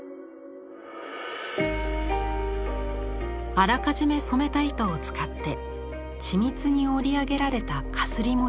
あらかじめ染めた糸を使って緻密に織り上げられた絣模様。